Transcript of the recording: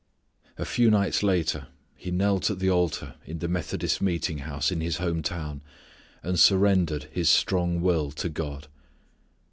A few nights later he knelt at the altar in the Methodist meeting house in his home town and surrendered his strong will to God.